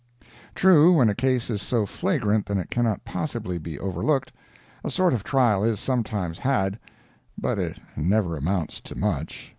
True, when a case is so flagrant that it cannot possibly be overlooked, a sort of trial is sometimes had, but it never amounts to much.